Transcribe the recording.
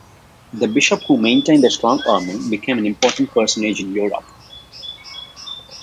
The bishop, who maintained a strong army, became an important personage in Europe.